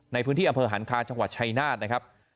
ในพื้นที่อำเภอหันคาจังหวัดชายนาฏนะครับ